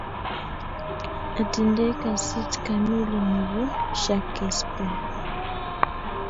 Atindai kasit kamili nebo Shakespeare.